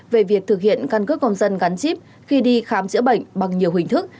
về việc thực hiện căn cước công dân gắn chip khi đi khám chữa bệnh bằng nhiều hình thức